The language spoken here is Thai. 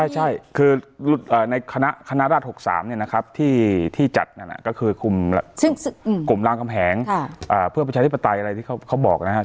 ใช่คือในคณะราช๖๓เนี่ยนะครับที่จัดนั่นก็คือกลุ่มรางกำแหงเพื่อประชาธิปไตยอะไรที่เขาบอกนะครับ